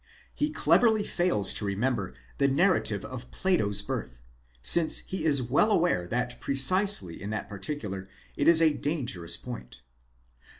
He cleverly fails to remember the narrative of Plato's birth, since he is well aware that precisely in that parti cular, it is a dangerous point.